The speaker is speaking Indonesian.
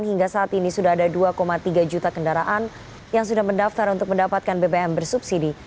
hingga saat ini sudah ada dua tiga juta kendaraan yang sudah mendaftar untuk mendapatkan bbm bersubsidi